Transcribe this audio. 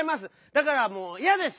だからもういやです！